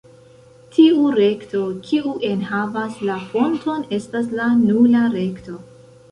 Tiu rekto kiu enhavas la fonton estas la "nula" rekto.